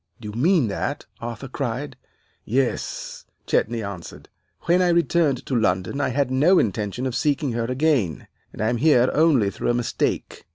"'Do you mean that?' Arthur cried. "'Yes,' Chetney answered. 'When I returned to London I had no intention of seeking her again, and I am here only through a mistake.